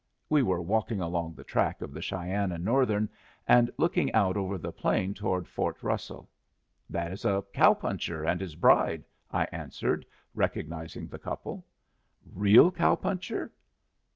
We were walking along the track of the Cheyenne and Northern, and looking out over the plain toward Fort Russell. "That is a cow puncher and his bride," I answered, recognizing the couple. "Real cow puncher?"